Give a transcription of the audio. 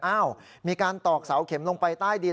อ้าวมีการตอกเสาเข็มลงไปใต้ดิน